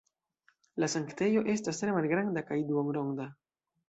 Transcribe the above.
La sanktejo estas tre malgranda kaj duonronda.